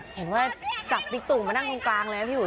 เห็นว่าจับบิกตุมานั่งกลางเลยนะพี่หุย